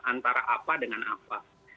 antara apa dengan apa